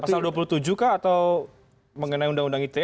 pasal dua puluh tujuh kah atau mengenai undang undang ite